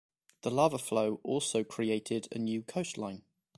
The lava flow also created a new coastline.